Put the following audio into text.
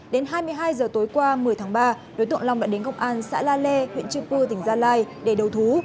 đến hai mươi hai h tối qua một mươi tháng ba đối tượng long đã đến công an xã la lê huyện trư pư tỉnh gia lai để đầu thú